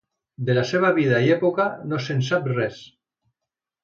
De la seva vida i època no se'n sap res.